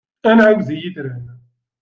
Ad nεiwez i yitran.